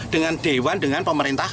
dengan dewan dengan pemerintah